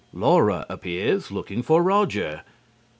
Laura appears, looking for Roger.